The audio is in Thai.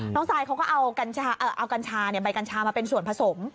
ทรายเขาก็เอากัญชาใบกัญชามาเป็นส่วนผสม